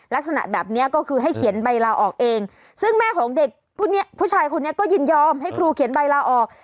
ลักษณะแบบนี้ก็คือให้เขียนใบลาออกเองซึ่งแม่ของเด็กผู้ชายคนนี้ก็ยินยอมให้ครูเขียนใบลาออก